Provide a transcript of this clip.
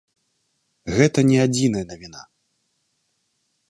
Гэта не адзіная навіна.